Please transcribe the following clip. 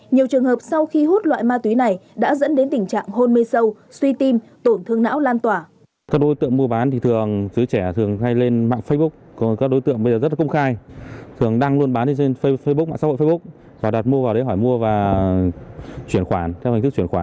nhiều trường hợp sau khi hút loại ma túy này đã dẫn đến tình trạng hôn mê sâu suy tim tổn thương não lan tỏa